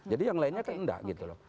jadi yang lainnya kan enggak